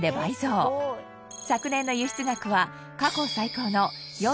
昨年の輸出額は。